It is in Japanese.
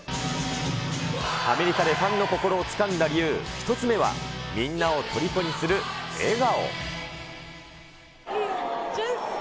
アメリカでファンの心をつかんだ理由１つ目は、みんなをとりこにする笑顔。